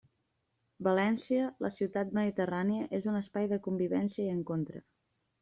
València, la ciutat mediterrània, és un espai de convivència i encontre.